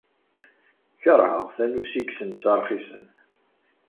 Keṛheɣ tanusi deg yisensa rxisen.